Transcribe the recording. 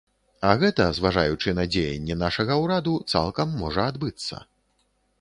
А гэта, зважаючы на дзеянні нашага ўраду, цалкам можа адбыцца.